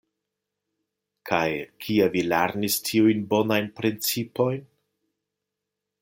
Kaj kie vi lernis tiujn bonajn principojn?